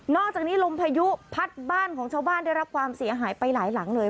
อกจากนี้ลมพายุพัดบ้านของชาวบ้านได้รับความเสียหายไปหลายหลังเลย